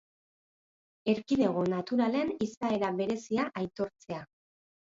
Erkidego naturalen izaera berezia aitortzea.